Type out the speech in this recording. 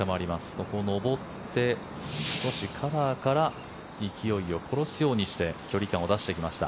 ここを上って少しカラーから勢いを殺すようにして距離感を出してきました。